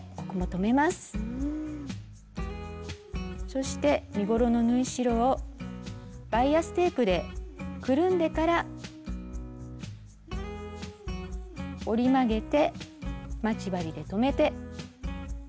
そして身ごろの縫い代をバイアステープでくるんでから折り曲げて待ち針で留めて。